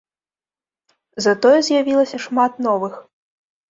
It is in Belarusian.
Затое з'явілася шмат новых.